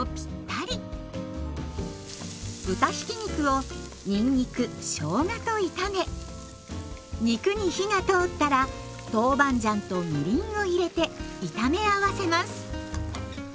豚ひき肉をにんにくしょうがと炒め肉に火が通ったら豆板醤とみりんを入れて炒め合わせます。